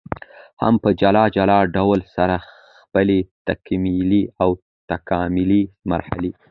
هم په جلا جلا ډول سره خپلي تکمیلي او تکاملي مرحلې